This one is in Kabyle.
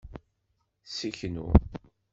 Seknu.